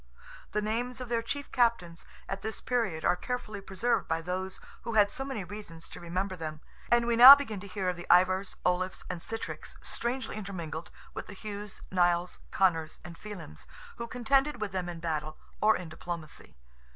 The names of their chief captains, at this period, are carefully preserved by those who had so many reasons to remember them; and we now begin to hear of the Ivars, Olafs, and Sitricks, strangely intermingled with the Hughs, Nials, Connors, and Felims, who contended with them in battle or in diplomacy.